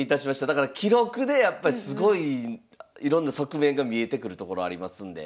だから記録でやっぱすごいいろんな側面が見えてくるところありますんで。